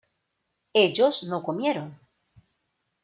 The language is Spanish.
ellos no comieron